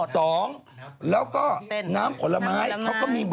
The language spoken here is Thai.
สองแล้วก็น้ำผลไม้